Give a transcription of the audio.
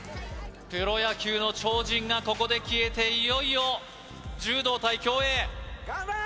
プロ野球の超人がここで消えていよいよ柔道対競泳・頑張れ！